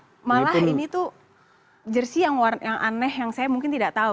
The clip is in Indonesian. ini malah ini tuh jersi yang warna yang aneh yang saya mungkin tidak tahu